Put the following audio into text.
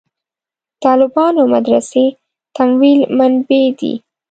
د طالبانو مدرسې تمویل منبعې دي.